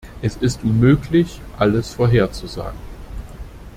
Es ist unmöglich, alles vorherzusagen.